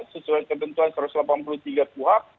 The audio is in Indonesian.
sesuai ketentuan satu ratus delapan puluh tiga kuhap